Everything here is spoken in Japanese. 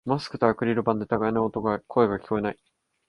マスクとアクリル板で互いの声が聞こえない